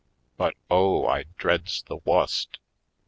But, oh, I dreads the wust!